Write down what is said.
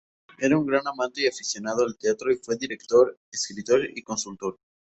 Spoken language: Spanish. Era un gran amante y aficionado al teatro y fue director, escritor y consultor.